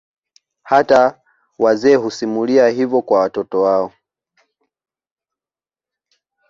Hata wazee husimulia hivyo kwa watoto wao